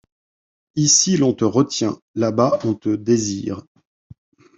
Ici, l’on te retient ; là-bas, on te désire.